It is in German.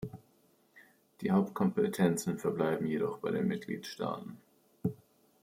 Die Hauptkompetenzen verbleiben jedoch bei den Mitgliedstaaten.